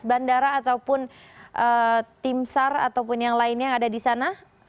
bandara ataupun tim sar ataupun yang lainnya yang ada di sana